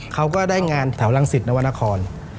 เขาก็ได้งานถ่าวรังศิษย์นวรณคร